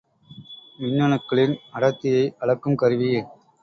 மின்னணுக்களின் அடர்த்தியை அளக்கும் கருவி.